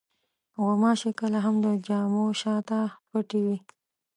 غوماشې کله هم د جامو شاته پټې وي.